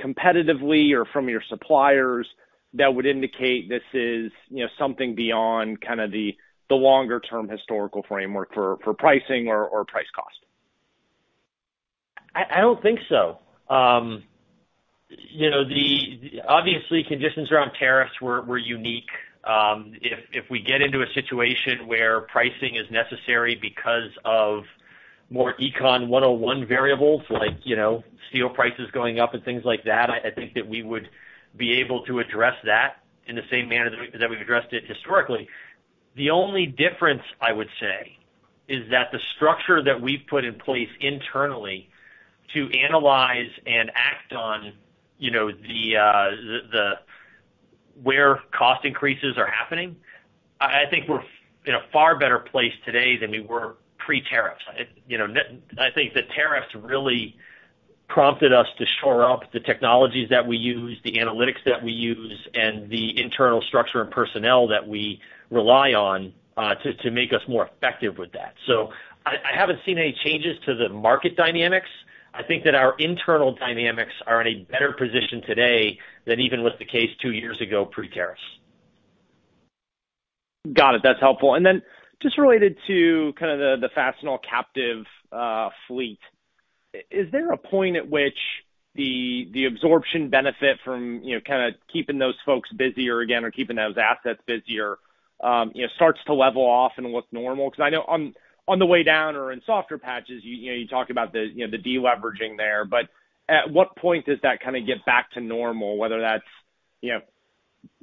competitively or from your suppliers, that would indicate this is something beyond the longer-term historical framework for pricing or price cost? I don't think so. Obviously, conditions around tariffs were unique. If we get into a situation where pricing is necessary because of more Econ 101 variables like steel prices going up and things like that, I think that we would be able to address that in the same manner that we've addressed it historically. The only difference, I would say, is that the structure that we've put in place internally to analyze and act on where cost increases are happening, I think we're in a far better place today than we were pre-tariffs. I think the tariffs really prompted us to shore up the technologies that we use, the analytics that we use, and the internal structure and personnel that we rely on to make us more effective with that. I haven't seen any changes to the market dynamics. I think that our internal dynamics are in a better position today than even was the case two years ago pre-tariffs. Got it. That's helpful. Just related to kind of the Fastenal captive fleet. Is there a point at which the absorption benefit from keeping those folks busier again or keeping those assets busier starts to level off and look normal? I know on the way down or in softer patches, you talk about the de-leveraging there. At what point does that kind of get back to normal, whether that's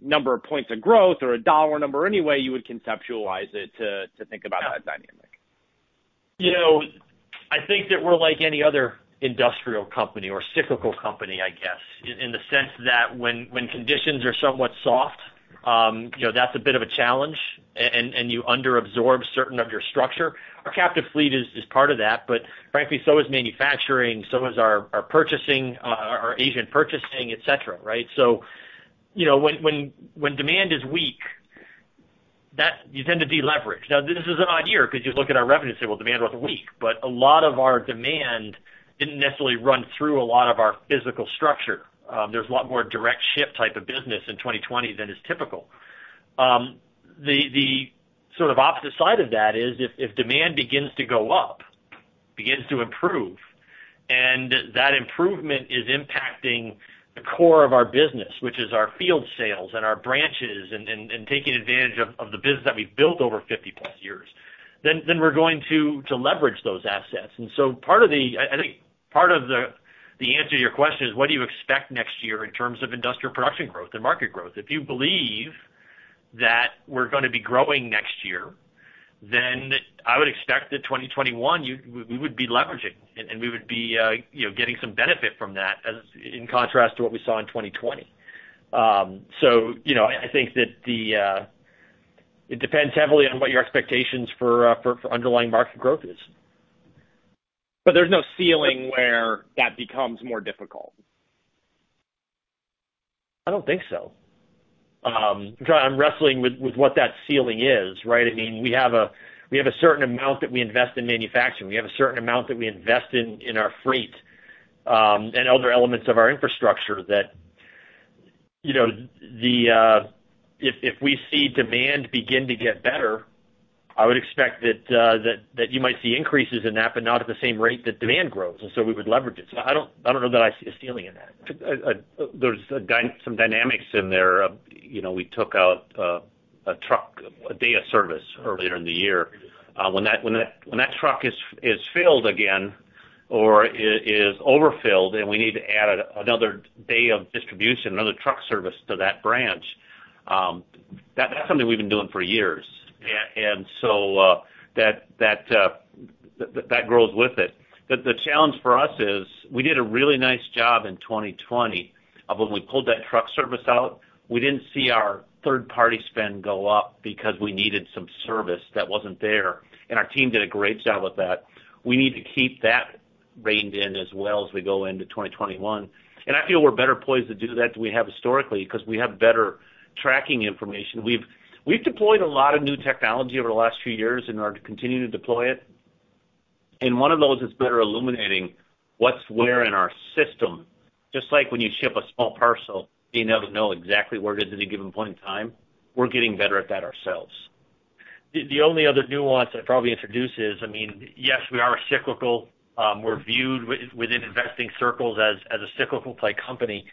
number of points of growth or a $ number, any way you would conceptualize it to think about that dynamic? I think that we're like any other industrial company or cyclical company, I guess. In the sense that when conditions are somewhat soft, that's a bit of a challenge, and you under-absorb certain of your structure. Our captive fleet is part of that, but frankly, so is manufacturing, so is our purchasing, our agAsian purchasing, et cetera, right? When demand is weak, you tend to de-leverage. This is an odd year because you look at our revenue and say, well, demand wasn't weak. A lot of our demand didn't necessarily run through a lot of our physical structure. There's a lot more direct ship type of business in 2020 than is typical. The sort of opposite side of that is if demand begins to go up, begins to improve, and that improvement is impacting the core of our business, which is our field sales and our branches and taking advantage of the business that we've built over 50-plus years, then we're going to leverage those assets. I think part of the answer to your question is what do you expect next year in terms of industrial production growth and market growth? If you believe that we're going to be growing next year, then I would expect that 2021, we would be leveraging, and we would be getting some benefit from that as in contrast to what we saw in 2020. So I think that it depends heavily on what your expectations for underlying market growth is. There's no ceiling where that becomes more difficult? I don't think so. I'm wrestling with what that ceiling is, right? We have a certain amount that we invest in manufacturing. We have a certain amount that we invest in our freight, and other elements of our infrastructure that if we see demand begin to get better, I would expect that you might see increases in that, but not at the same rate that demand grows. We would leverage it. I don't know that I see a ceiling in that. There's some dynamics in there. We took out a truck, a day of service earlier in the year. When that truck is filled again, or is overfilled, and we need to add another day of distribution, another truck service to that branch, that's something we've been doing for years. That grows with it. The challenge for us is we did a really nice job in 2020 of when we pulled that truck service out, we didn't see our third-party spend go up because we needed some service that wasn't there, and our team did a great job with that. We need to keep that reined in as well as we go into 2021. I feel we're better poised to do that than we have historically because we have better tracking information. We've deployed a lot of new technology over the last few years and are continuing to deploy it. One of those is better illuminating what's where in our system. Just like when you ship a small parcel, being able to know exactly where it is at a given point in time, we're getting better at that ourselves. The only other nuance I'd probably introduce is, yes, we are cyclical. We're viewed within investing circles as a cyclical-type company.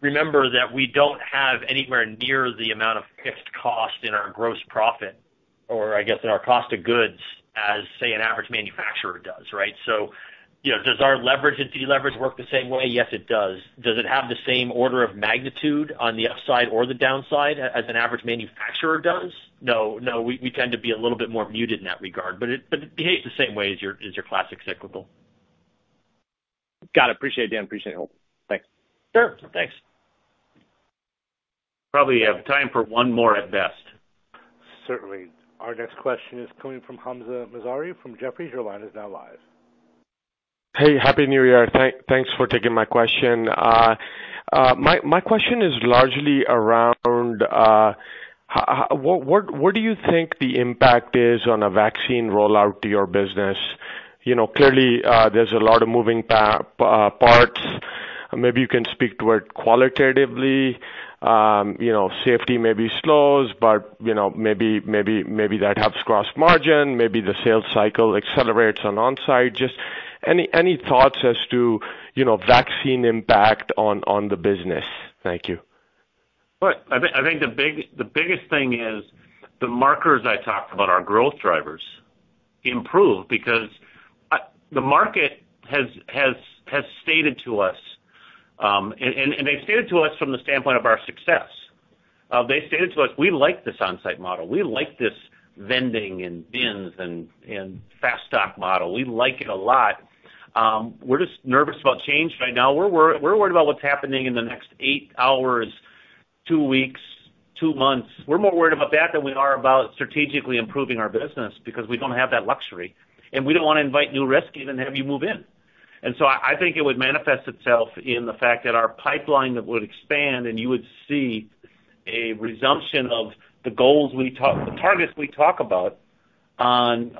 Remember that we don't have anywhere near the amount of fixed cost in our gross profit, or I guess in our cost of goods, as, say, an average manufacturer does, right? Does our leverage and de-leverage work the same way? Yes, it does. Does it have the same order of magnitude on the upside or the downside as an average manufacturer does? No. We tend to be a little bit more muted in that regard. It behaves the same way as your classic cyclical. Got it. Appreciate it, Dan. Appreciate it, Holden. Thanks. Sure. Thanks. Probably have time for one more at best. Certainly. Our next question is coming from Hamzah Mazari from Jefferies. Your line is now live. Hey, Happy New Year. Thanks for taking my question. My question is largely around, what do you think the impact is on a vaccine rollout to your business? Clearly, there's a lot of moving parts. Maybe you can speak to it qualitatively. Safety maybe slows, but maybe that helps gross margin. Maybe the sales cycle accelerates on onsite. Just any thoughts as to vaccine impact on the business? Thank you. I think the biggest thing is the markers I talked about, our growth drivers, improve because the market has stated to us, and they stated to us from the standpoint of our success. They stated to us, "We like this on-site model. We like this vending and bins and FASTStock model. We like it a lot. We're just nervous about change right now. We're worried about what's happening in the next eight hours, two weeks, two months. We're more worried about that than we are about strategically improving our business because we don't have that luxury, and we don't want to invite new risk, even have you move in." So I think it would manifest itself in the fact that our pipeline would expand, and you would see a resumption of the targets we talk about on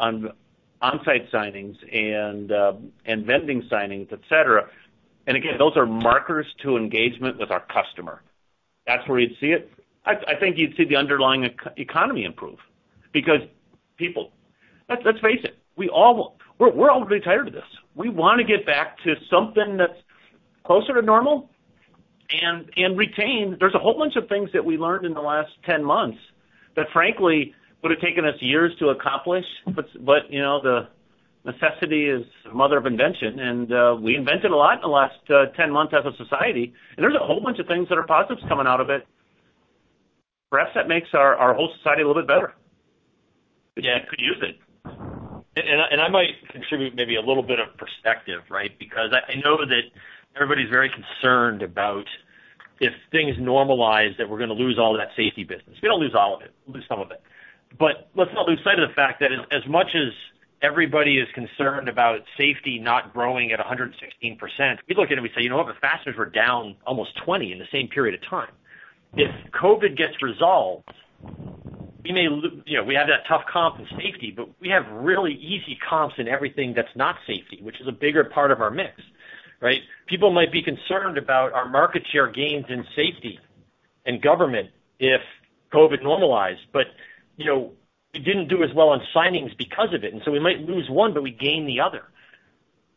on-site signings and vending signings, et cetera. Again, those are markers to engagement with our customer. That's where you'd see it. I think you'd see the underlying economy improve because people, let's face it, we're all really tired of this. We want to get back to something that's closer to normal and retain. There's a whole bunch of things that we learned in the last 10 months that, frankly, would've taken us years to accomplish. The necessity is the mother of invention, and we invented a lot in the last 10 months as a society. There's a whole bunch of things that are positives coming out of it. Perhaps that makes our whole society a little bit better. Yeah, could use it. I might contribute maybe a little bit of perspective, right? I know that everybody's very concerned about if things normalize, that we're going to lose all that safety business. We don't lose all of it. We'll lose some of it. Let's not lose sight of the fact that as much as everybody is concerned about safety not growing at 116%, we look at it and we say, "You know what?" The fasteners were down almost 20 in the same period of time. If COVID gets resolved, we have that tough comp in safety, but we have really easy comps in everything that's not safety, which is a bigger part of our mix, right? People might be concerned about our market share gains in safety and government if COVID normalized, but we didn't do as well on signings because of it. We might lose one, but we gain the other.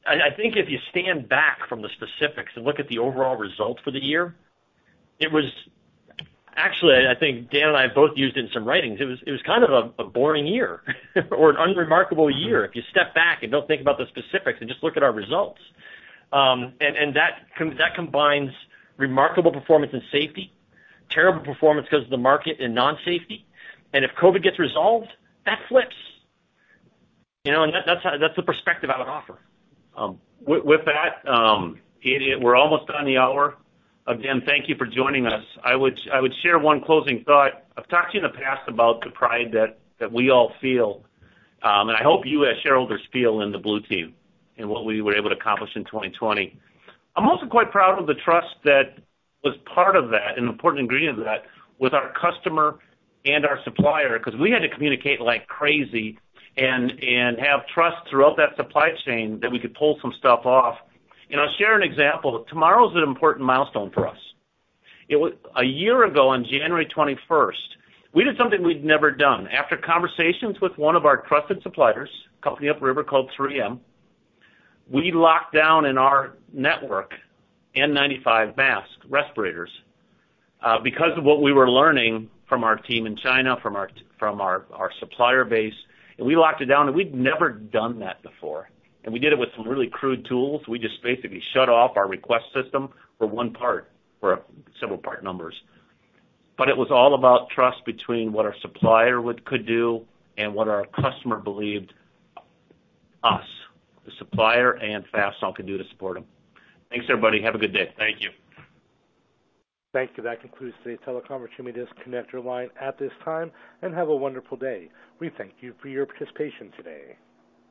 I think if you stand back from the specifics and look at the overall result for the year, it was actually, I think Dan and I both used it in some writings. It was kind of a boring year or an unremarkable year if you step back and don't think about the specifics and just look at our results. That combines remarkable performance in safety, terrible performance because of the market and non-safety. If COVID gets resolved, that flips. That's the perspective I would offer. With that, we're almost on the hour. Again, thank you for joining us. I would share one closing thought. I've talked to you in the past about the pride that we all feel, and I hope you as shareholders feel in the blue team and what we were able to accomplish in 2020. I'm also quite proud of the trust that was part of that and an important ingredient of that with our customer and our supplier because we had to communicate like crazy and have trust throughout that supply chain that we could pull some stuff off. I'll share an example. Tomorrow's an important milestone for us. A year ago on January 21st, we did something we'd never done. After conversations with one of our trusted suppliers, a company upriver called 3M, we locked down in our network N95 mask respirators because of what we were learning from our team in China, from our supplier base, and we locked it down, and we'd never done that before. We did it with some really crude tools. We just basically shut off our request system for one part, for several part numbers. It was all about trust between what our supplier could do and what our customer believed us, the supplier and Fastenal could do to support them. Thanks, everybody. Have a good day. Thank you. Thank you. That concludes the teleconference. You may disconnect your line at this time, and have a wonderful day. We thank you for your participation today.